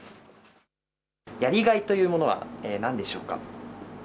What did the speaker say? やりがいというものはなんでしょうか。